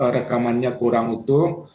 rekamannya kurang utuh